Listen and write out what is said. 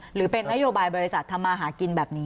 หรือเป็นนโยบายบริษัททำมาหากินแบบนี้